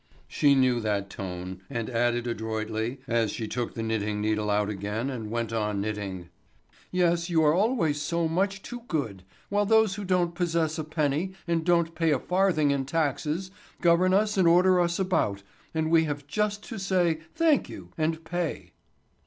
She knew that tone, and added adroitly, as she took the knitting needle out again and went on knitting: "Yes, you are always so much too good, while those who don't possess a penny, and don't pay a farthing in taxes, govern us and order us about, and we have just to say 'Thank you' and pay."